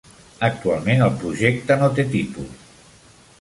Actualment el projecte no té títol.